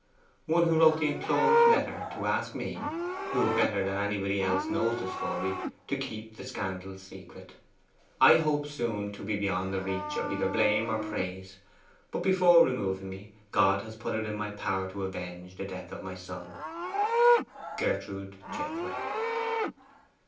'One who wrote the enclosed letter to ask me, who better than anybody else knows the story, to keep the scandal a secret. 'I hope soon to be beyond the reach of either blame or praise. But before removing me God has put it in my power to avenge the death of my son. 'GERTRUDE JETHWAY.